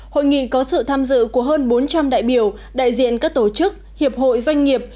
hội nghị có sự tham dự của hơn bốn trăm linh đại biểu đại diện các tổ chức hiệp hội doanh nghiệp